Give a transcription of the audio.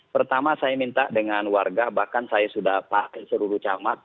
pertama saya minta dengan warga bahkan saya sudah pakai seluruh camat